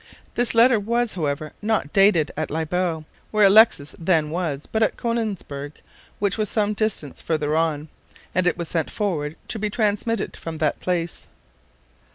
This letter was, however, not dated at Libau, where Alexis then was, but at Konigsberg, which was some distance farther on, and it was sent forward to be transmitted from that place.